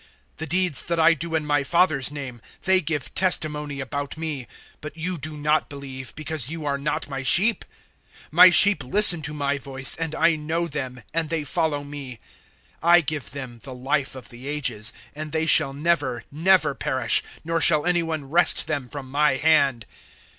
The deeds that I do in my Father's name they give testimony about me. 010:026 But you do not believe, because you are not my sheep. 010:027 My sheep listen to my voice, and I know them, and they follow me. 010:028 I give them the Life of the Ages, and they shall never, never perish, nor shall any one wrest them from my hand.